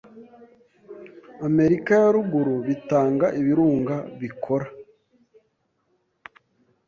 Amerika ya ruguru bitanga ibirunga bikora